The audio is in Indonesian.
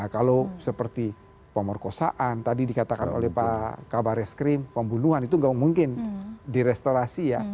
kalau seperti pemerkosaan tadi dikatakan oleh pak kabarres krim pembunuhan itu tidak mungkin direstorasi